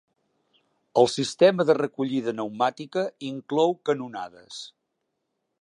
El sistema de recollida pneumàtica inclou canonades.